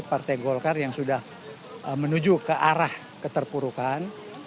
partai golkar yang sudah menuju ke arah keterpurukan